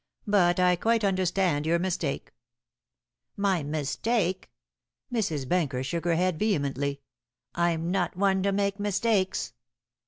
"But I quite understand your mistake." "My mistake?" Mrs. Benker shook her head vehemently. "I'm not the one to make mistakes."